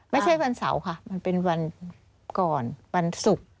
ไม่ใช่วันเสาร์ค่ะมันเป็นวันก่อนวันศุกร์